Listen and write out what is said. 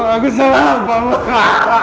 aku salah lupa ma